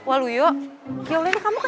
ini ikuti neneknya ga bisa